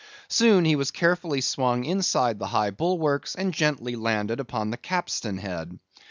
Soon he was carefully swung inside the high bulwarks, and gently landed upon the capstan head.